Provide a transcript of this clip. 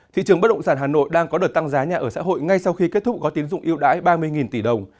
thị trường bất động sản hà nội đang có đợt tăng giá nhà ở xã hội ngay sau khi kết thúc gói tín dụng yêu đái ba mươi tỷ đồng